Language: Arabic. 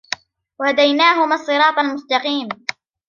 وهديناهما الصراط المستقيم